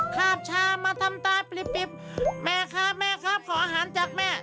คาบชามาทำตายปริบแม่ครับแม่ครับขออาหารจากแม่